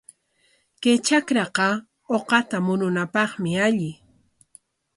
Kay trakraqa uqata murunapaqmi alli.